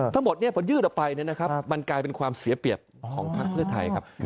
ทั้งหมดพอยืดออกไปมันกลายเป็นความเสียเปรียบของพักเพื่อไทยครับ